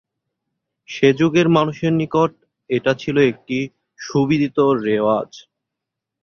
সে যুগের মানুষের নিকট এটা ছিল একটি সুবিদিত রেওয়াজ।